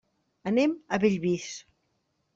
Anem a Bellvís.